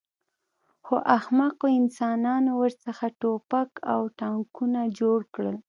خو احمقو انسانانو ورڅخه ټوپک او ټانکونه جوړ کړل